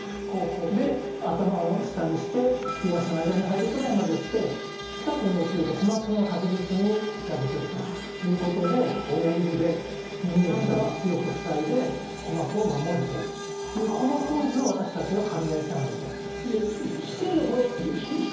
で頭を下にして両足の間に入るくらいまでして近くに落ちると鼓膜が確実に破けるということで親指で耳をふさぐ強くふさいで鼓膜を守るというこのポーズを私たちは「雷しゃがみ」と。